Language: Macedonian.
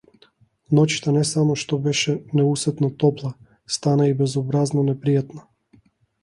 Ноќта не само што беше неусетно топла, стана и безобразно непријатна.